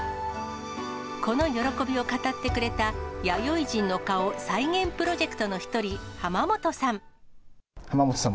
この喜びを語ってくれた弥生人の顔再元プロジェクトの一人、濱本さん。